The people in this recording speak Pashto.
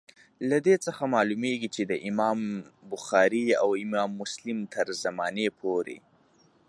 له دې څخه معلومیږي چي د امام بخاري او امام مسلم تر زمانې پوري.